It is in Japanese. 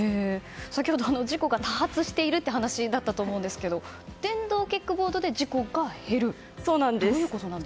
先ほど、事故が多発している話だったと思うんですが電動キックボードで事故が減るってそうなんです。